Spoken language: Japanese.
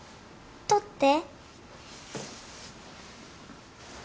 取って。